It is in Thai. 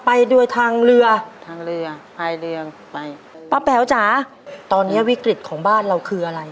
ไปโดยทางเรือทางเรือพายเรือไปป้าแป๋วจ๋าตอนเนี้ยวิกฤตของบ้านเราคืออะไร